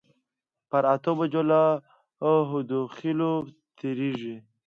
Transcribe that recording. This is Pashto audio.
پر اتو بجو له هودخېلو تېرېږي.